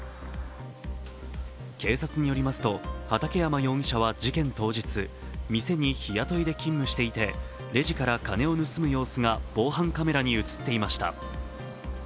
警察によりますと畠山容疑者は事件当日、店に日雇いで勤務していてレジから金を盗む様子が防犯カメラに映っていました。